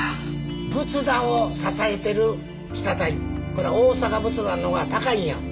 仏壇を支えてる下台これは大阪仏壇の方が高いんや。